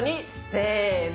せの。